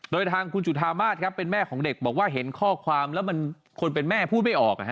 โดยทางคุณจุธามาศครับเป็นแม่ของเด็กบอกว่าเห็นข้อความแล้วมันคนเป็นแม่พูดไม่ออก